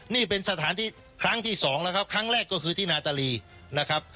นี่เป็นสถานที่ครั้งที่สองแล้วครับครั้งแรกก็คือที่นาตาลีนะครับ